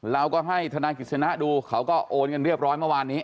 เราก็ให้ธนายกิจสนะดูเขาก็โอนกันเรียบร้อยเมื่อวานนี้